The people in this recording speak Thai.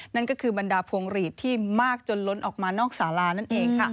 นั่นก็คือบรรดาพวงหลีดที่มากจนล้นออกมานอกสารานั่นเองค่ะ